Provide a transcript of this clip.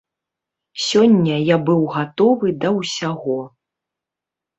Сёння я быў гатовы да ўсяго.